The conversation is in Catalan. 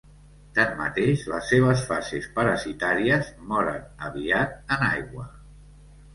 Tanmateix, les seves fases parasitàries moren aviat en aigua.